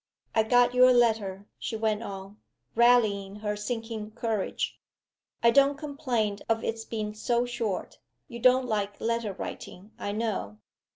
"I got your letter," she went on, rallying her sinking courage. "I don't complain of its being so short: you don't like letter writing, I know.